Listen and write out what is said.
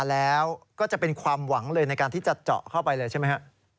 แล้วก็จะเป็นความหวังเลยในการที่จะเจาะเข้าไปเลยใช่ไหมฮะ